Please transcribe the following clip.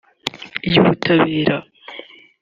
iy’Ubutabera